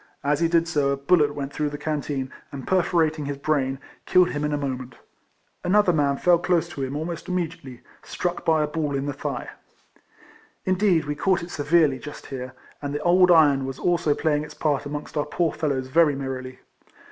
As he did so a bullet went through the can teen, and perforating his brain, killed him in a moment. Another man fell close to him almost immediately, struck by a ball in tlie thigh. Indeed we caught it severely just here, and the old iron was also playing its part amongst our poor fellows very merrily.